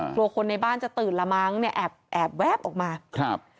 กลัวคนในบ้านจะตื่นละมั้งเนี่ยแอบแอบแวบออกมาครับ